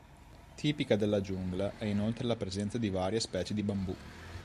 Tipica della giungla è inoltre la presenza di varie specie di bambù.